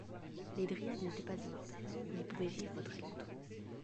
Les dryades n'étaient pas immortelles, mais pouvaient vivre très longtemps.